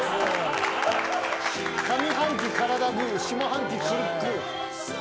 上半期カラダぐぅ下半期くるっくぅ。